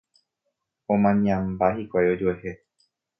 Omañamba hikuái ojuehe